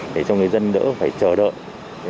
để cho người dân đỡ phải chờ đợi